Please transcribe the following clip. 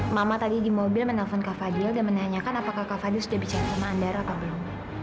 mama tadi di mobil menelpon kak fadil dan menanyakan apakah kak fadil sudah bicara sama andara atau belum